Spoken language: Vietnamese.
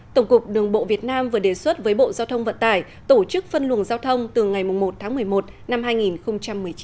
tổng cục đường bộ việt nam vừa đề xuất với bộ giao thông vận tải tổ chức phân luồng giao thông từ ngày một tháng một mươi một năm hai nghìn một mươi chín